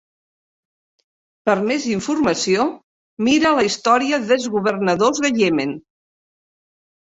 Per més informació, mira la història des governadors de Yemen.